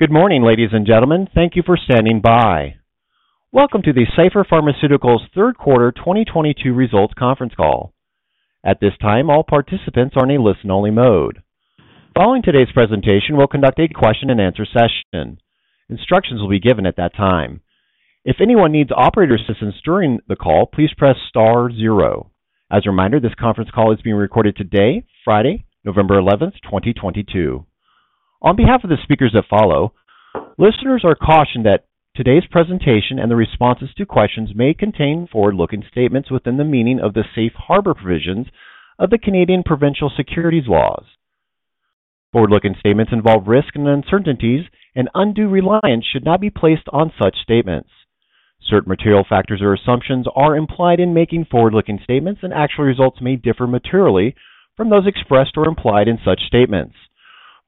Good morning, ladies and gentlemen. Thank you for standing by. Welcome to the Cipher Pharmaceuticals Third Quarter 2022 Results Conference Call. At this time, all participants are in a listen-only mode. Following today's presentation, we'll conduct a question-and-answer session. Instructions will be given at that time. If anyone needs operator assistance during the call, please press star zero. As a reminder, this conference call is being recorded today, Friday, November 11, 2022. On behalf of the speakers that follow, listeners are cautioned that today's presentation and the responses to questions may contain forward-looking statements within the meaning of the safe harbor provisions of the Canadian provincial securities laws. Forward-looking statements involve risks and uncertainties, and undue reliance should not be placed on such statements. Certain material factors or assumptions are implied in making forward-looking statements, and actual results may differ materially from those expressed or implied in such statements.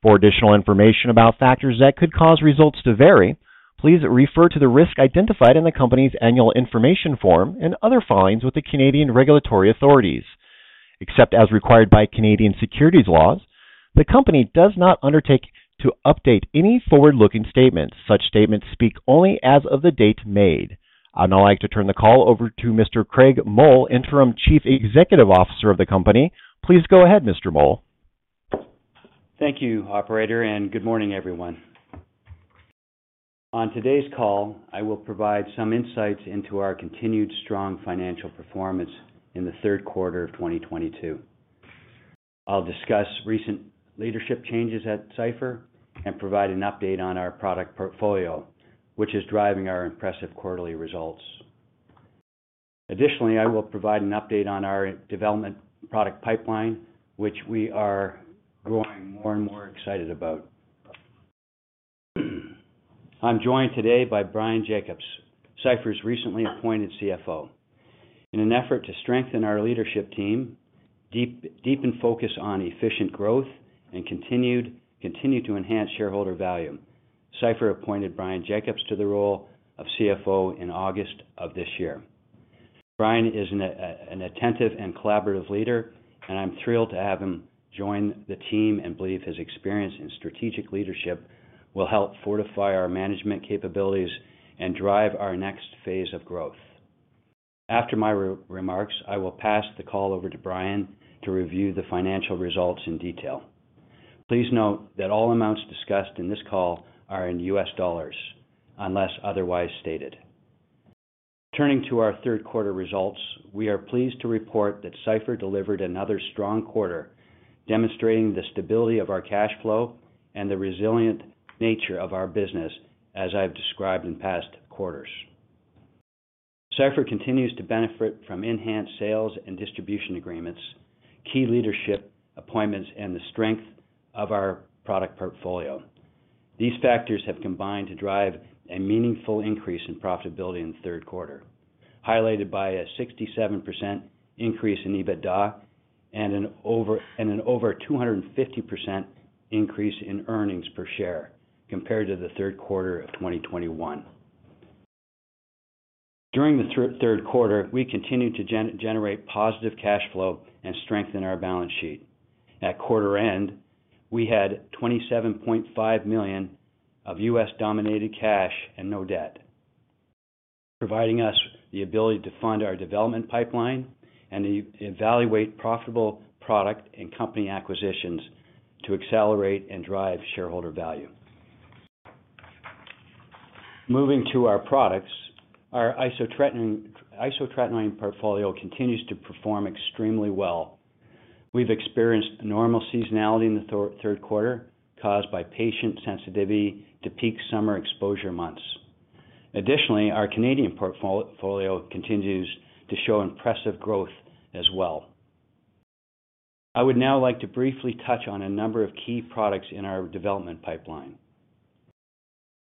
For additional information about factors that could cause results to vary, please refer to the risks identified in the company's annual information form and other filings with the Canadian regulatory authorities. Except as required by Canadian securities laws, the company does not undertake to update any forward-looking statements. Such statements speak only as of the date made. I'd now like to turn the call over to Mr. Craig Mull, Interim Chief Executive Officer of the company. Please go ahead, Mr. Mull. Thank you, operator, and good morning, everyone. On today's call, I will provide some insights into our continued strong financial performance in the third quarter of 2022. I'll discuss recent leadership changes at Cipher and provide an update on our product portfolio, which is driving our impressive quarterly results. Additionally, I will provide an update on our development product pipeline, which we are growing more and more excited about. I'm joined today by Bryan Jacobs, Cipher's recently appointed CFO. In an effort to strengthen our leadership team, deepen focus on efficient growth and continue to enhance shareholder value, Cipher appointed Bryan Jacobs to the role of CFO in August of this year. Bryan is an attentive and collaborative leader, and I'm thrilled to have him join the team and believe his experience in strategic leadership will help fortify our management capabilities and drive our next phase of growth. After my remarks, I will pass the call over to Bryan to review the financial results in detail. Please note that all amounts discussed in this call are in U.S dollars unless otherwise stated. Turning to our third quarter results, we are pleased to report that Cipher delivered another strong quarter, demonstrating the stability of our cash flow and the resilient nature of our business, as I've described in past quarters. Cipher continues to benefit from enhanced sales and distribution agreements, key leadership appointments, and the strength of our product portfolio. These factors have combined to drive a meaningful increase in profitability in the third quarter, highlighted by a 67% increase in EBITDA and an over 250% increase in earnings per share compared to the third quarter of 2021. During the third quarter, we continued to generate positive cash flow and strengthen our balance sheet. At quarter end, we had $27.5 million of U.SD-denominated cash and no debt, providing us the ability to fund our development pipeline and evaluate profitable product and company acquisitions to accelerate and drive shareholder value. Moving to our products, our isotretinoin portfolio continues to perform extremely well. We've experienced normal seasonality in the third quarter caused by patient sensitivity to peak summer exposure months. Additionally, our Canadian portfolio continues to show impressive growth as well. I would now like to briefly touch on a number of key products in our development pipeline.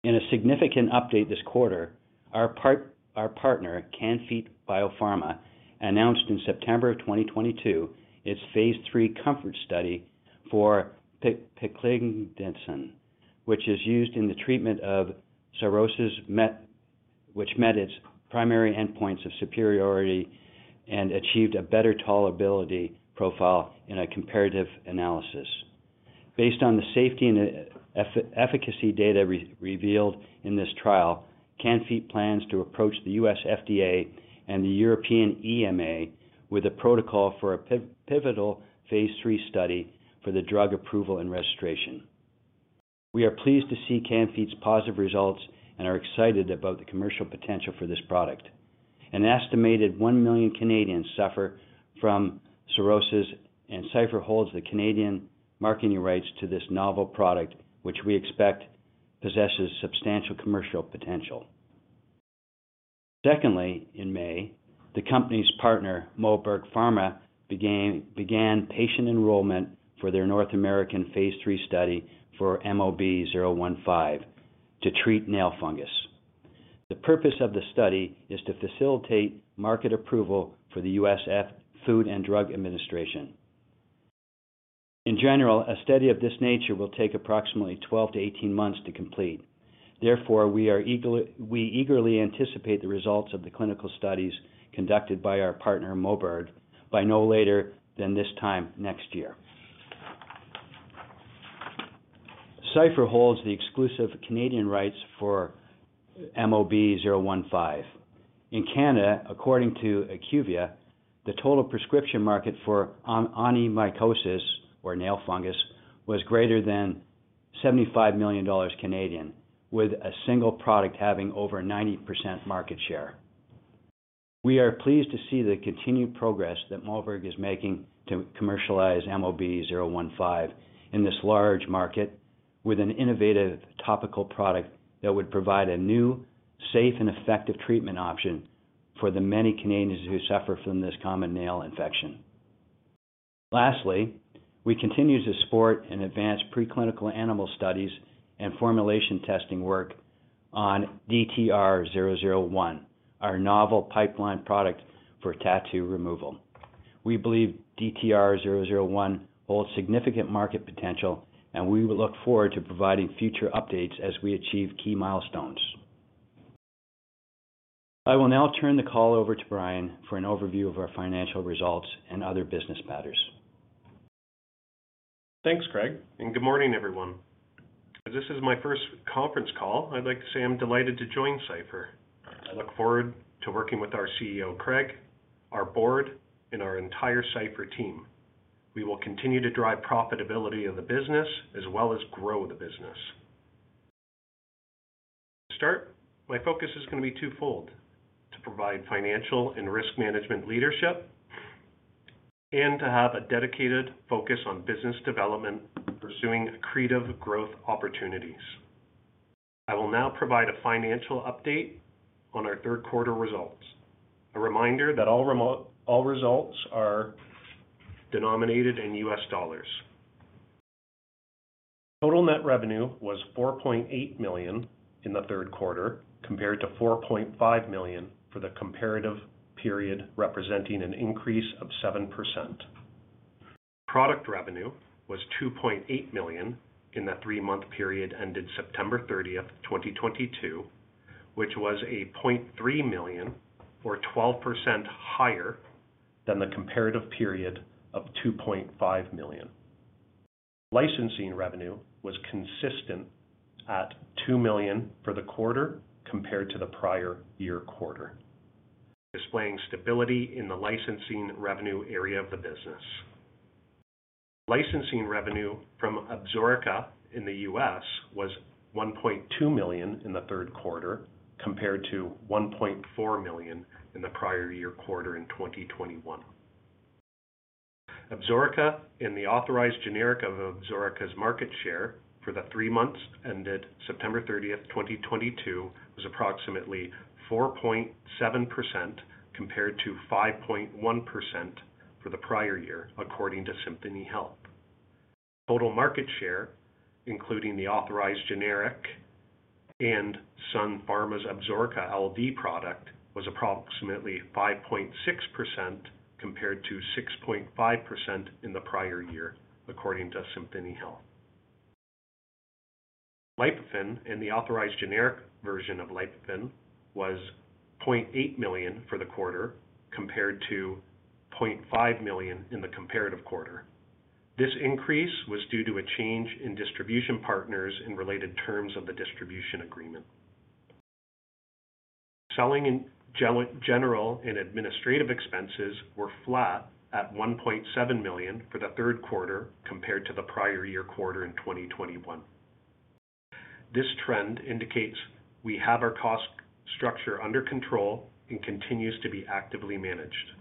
In a significant update this quarter, our partner, Can-Fite BioPharma, announced in September of 2022 its Phase III COMFORT study for Piclidenoson, which is used in the treatment of psoriasis, which met its primary endpoints of superiority and achieved a better tolerability profile in a comparative analysis. Based on the safety and efficacy data revealed in this trial, Can-Fite plans to approach the U.S. FDA and the European EMA with a protocol for a pivotal Phase III study for the drug approval and registration. We are pleased to see Can-Fite's positive results and are excited about the commercial potential for this product. An estimated 1 million Canadians suffer from psoriasis, and Cipher holds the Canadian marketing rights to this novel product, which we expect possesses substantial commercial potential. Secondly, in May, the company's partner, Moberg Pharma, began patient enrollment for their North American Phase III study for MOB015 to treat nail fungus. The purpose of the study is to facilitate market approval for the U.S. Food and Drug Administration. In general, a study of this nature will take approximately 12-18 months to complete. Therefore, we eagerly anticipate the results of the clinical studies conducted by our partner, Moberg, by no later than this time next year. Cipher holds the exclusive Canadian rights for MOB015. In Canada, according to IQVIA, the total prescription market for onychomycosis, or nail fungus, was greater than 75 million Canadian dollars, with a single product having over 90% market share. We are pleased to see the continued progress that Moberg is making to commercialize MOB015 in this large market with an innovative topical product that would provide a new, safe, and effective treatment option for the many Canadians who suffer from this common nail infection. Lastly, we continue to support and advance preclinical animal studies and formulation testing work on DTR001, our novel pipeline product for tattoo removal. We believe DTR001 holds significant market potential, and we look forward to providing future updates as we achieve key milestones. I will now turn the call over to Bryan for an overview of our financial results and other business matters. Thanks, Craig, and good morning, everyone. This is my first conference call. I'd like to say I'm delighted to join Cipher. I look forward to working with our CEO, Craig, our board, and our entire Cipher team. We will continue to drive profitability of the business as well as grow the business. To start, my focus is gonna be twofold, to provide financial and risk management leadership and to have a dedicated focus on business development, pursuing accretive growth opportunities. I will now provide a financial update on our third quarter results. A reminder that all results are denominated in U.S dollars. Total net revenue was $4.8 million in the third quarter, compared to $4.5 million for the comparative period, representing an increase of 7%. Product revenue was $2.8 million in the three-month period ended September 30, 2022, which was $0.3 million, or 12% higher than the comparative period of $2.5 million. Licensing revenue was consistent at $2 million for the quarter compared to the prior year quarter, displaying stability in the licensing revenue area of the business. Licensing revenue from Absorica in the U.S. was $1.2 million in the third quarter, compared to $1.4 million in the prior year quarter in 2021. Absorica and the authorized generic of Absorica's market share for the three months ended September 30, 2022, was approximately 4.7%, compared to 5.1% for the prior year, according to Symphony Health. Total market share, including the authorized generic and Sun Pharma's Absorica LD product, was approximately 5.6% compared to 6.5% in the prior year, according to Symphony Health. Lipofen and the authorized generic version of Lipofen was $0.8 million for the quarter, compared to $0.5 million in the comparative quarter. This increase was due to a change in distribution partners in related terms of the distribution agreement. Selling, general and administrative expenses were flat at $1.7 million for the third quarter compared to the prior year quarter in 2021. This trend indicates we have our cost structure under control and continues to be actively managed.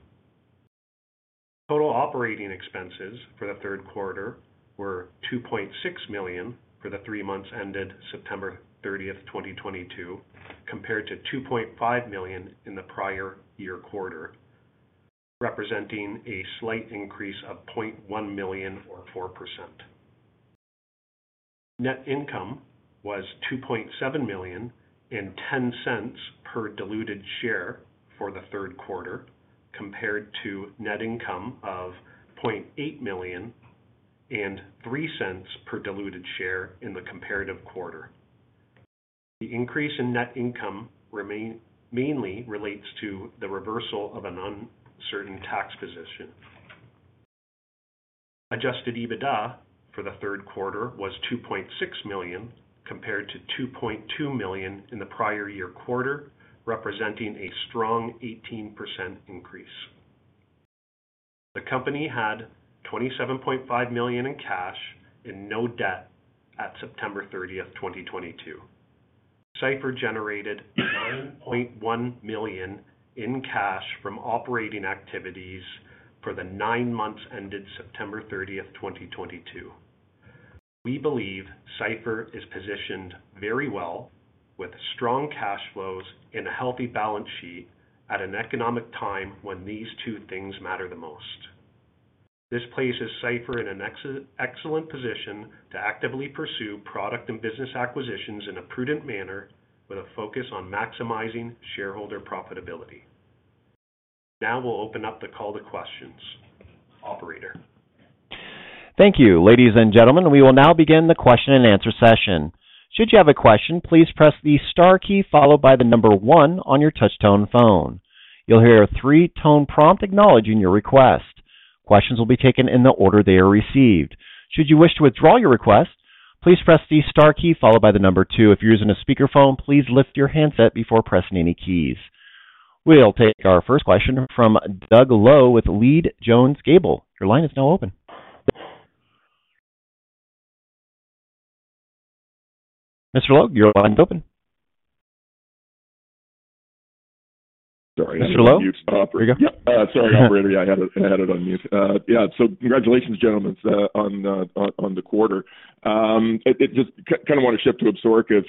Total operating expenses for the third quarter were $2.6 million for the three months ended September 30, 2022, compared to $2.5 million in the prior year quarter, representing a slight increase of $0.1 million or 4%. Net income was $2.7 million or $0.10 per diluted share for the third quarter, compared to net income of $0.8 million or $0.03 per diluted share in the comparative quarter. The increase in net income mainly relates to the reversal of an uncertain tax position. Adjusted EBITDA for the third quarter was $2.6 million, compared to $2.2 million in the prior year quarter, representing a strong 18% increase. The company had $27.5 million in cash and no debt at September 30, 2022. Cipher generated $9.1 million in cash from operating activities for the nine months ended September 30, 2022. We believe Cipher is positioned very well with strong cash flows and a healthy balance sheet at an economic time when these two things matter the most. This places Cipher in an excellent position to actively pursue product and business acquisitions in a prudent manner with a focus on maximizing shareholder profitability. Now we'll open up the call to questions. Operator? Thank you. Ladies and gentlemen, we will now begin the question-and-answer session. Should you have a question, please press the star key followed by the number one on your touchtone phone. You'll hear a three-tone prompt acknowledging your request. Questions will be taken in the order they are received. Should you wish to withdraw your request, please press the star key followed by the number two. If you're using a speakerphone, please lift your handset before pressing any keys. We'll take our first question from Doug Loe with Leede Jones Gable. Your line is now open. Mr. Loe, your line is open. Sorry. Mr. Loe? Yeah. Sorry, operator. I had it on mute. Yeah. Congratulations, gentlemen, on the quarter. I just kind of want to shift to Absorica,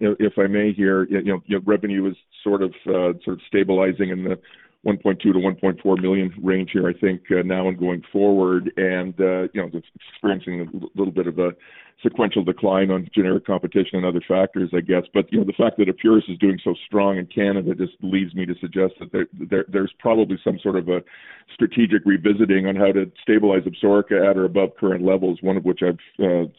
if I may here. Your revenue is sort of stabilizing in the $1.2 million-$1.4 million range here, I think, now and going forward and, experiencing a little bit of a sequential decline on generic competition and other factors, I guess. The fact that Epuris is doing so strong in Canada just leads me to suggest that there's probably some sort of a strategic revisiting on how to stabilize Absorica at or above current levels, one of which I've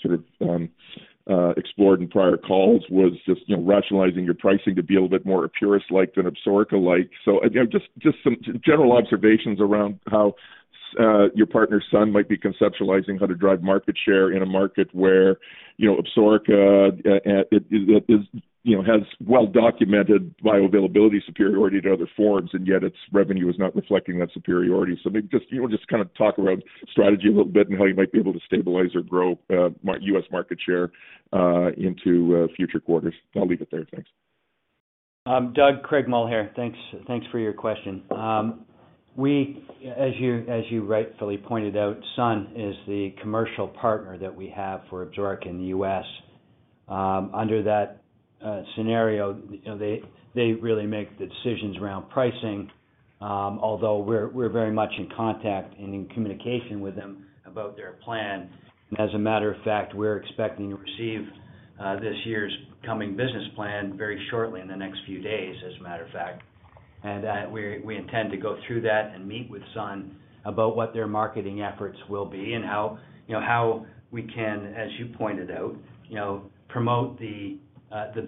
sort of explored in prior calls, was just rationalizing your pricing to be a little bit more Epuris-like than Absorica-like. Just some general observations around how your partner Sun might be conceptualizing how to drive market share in a market where, Absorica is has well-documented bioavailability superiority to other forms, and yet its revenue is not reflecting that superiority. Maybe just just kind of talk around strategy a little bit and how you might be able to stabilize or grow U.S. market share into future quarters. I'll leave it there. Thanks. Doug, Craig Mull here. Thanks for your question. We, as you rightfully pointed out, Sun is the commercial partner that we have for Absorica in the U.S. Under that scenario, they really make the decisions around pricing, although we're very much in contact and in communication with them about their plan. As a matter of fact, we're expecting to receive this year's coming business plan very shortly in the next few days, as a matter of fact. We intend to go through that and meet with Sun about what their marketing efforts will be and how, how we can, as you pointed out promote the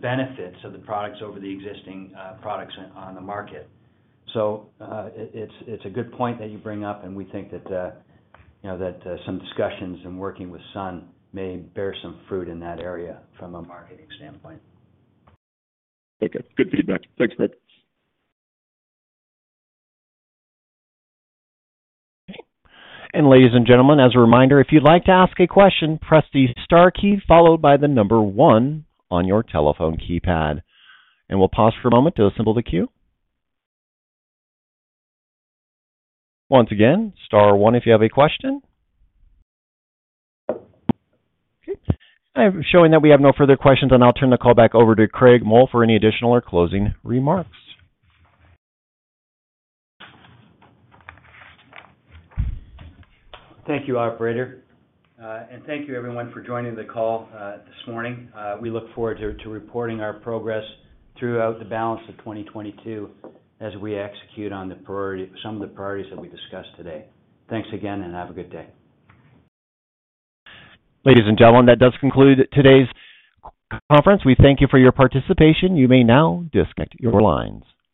benefits of the products over the existing products on the market. It's a good point that you bring up, and we think that that some discussions and working with Sun may bear some fruit in that area from a marketing standpoint. Okay. Good feedback. Thanks, Craig. Ladies and gentlemen, as a reminder, if you'd like to ask a question, press the star key followed by the number one on your telephone keypad. We'll pause for a moment to assemble the queue. Once again, star one if you have a question. Okay, I'm showing that we have no further questions, and I'll turn the call back over to Craig Mull for any additional or closing remarks. Thank you, operator. Thank you everyone for joining the call this morning. We look forward to reporting our progress throughout the balance of 2022 as we execute on some of the priorities that we discussed today. Thanks again, and have a good day. Ladies and gentlemen, that does conclude today's conference. We thank you for your participation. You may now disconnect your lines.